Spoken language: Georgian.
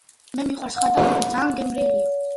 მე მიყვარს ხაჭაპური, ძაან გემრიელია